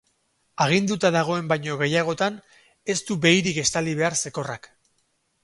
Aginduta dagoen baino gehiagotan ez du behirik estali behar zekorrak.